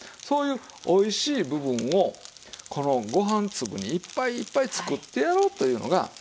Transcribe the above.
そういうおいしい部分をこのご飯粒にいっぱいいっぱい作ってやろうというのが。